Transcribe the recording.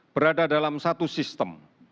berada dalam satu sistem